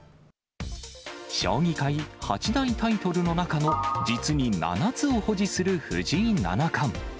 将棋界八大タイトルの中の実に７つを保持する藤井七冠。